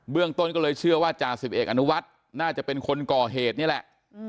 ต้นก็เลยเชื่อว่าจ่าสิบเอกอนุวัฒน์น่าจะเป็นคนก่อเหตุนี่แหละ